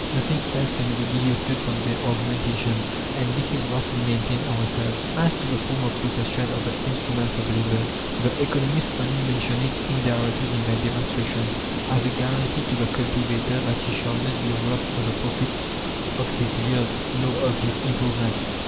Nothing else can be deducted from their argumentation, and this is what we maintain ourselves. As to the form of possession of the instruments of labour, the economists only mention it indirectly in their demonstration, as a guarantee to the cultivator that he shall not be robbed of the profits of his yield nor of his improvements.